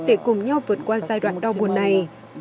để cùng nhau vượt qua giai đoạn đau buồn này